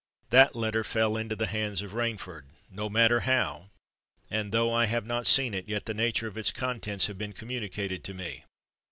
That letter fell into the hands of Rainford—no matter how; and, though I have not seen it, yet the nature of its contents have been communicated to me.